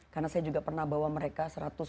karena saya juga pernah bawa mereka